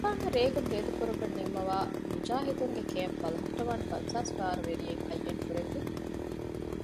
އެތާނގައި ރޭގަނޑު ހޭދަކުރައްވަން ނިންމަވައި މުޖާހިދުންގެ ކޭމްޕް ބަލަހައްޓަވާނެ ފަންސާސް ފާރަވެރިން އައްޔަންކުރެއްވި